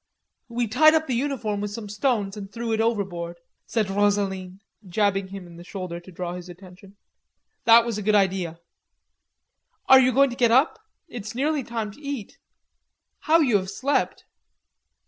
"We tied up the uniform with some stones, and threw it overboard," said Rosaline, jabbing him in the shoulder to draw his attention. "That was a good idea." "Are you going to get up? It's nearly time to eat. How you have slept."